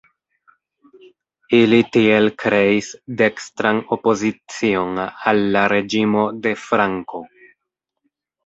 Ili tiel kreis "dekstran opozicion" al la reĝimo de Franko.